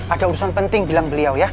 ada urusan penting bilang beliau ya